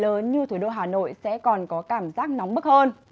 nơi đô thị lớn như thủ đô hà nội sẽ còn có cảm giác nóng bức hơn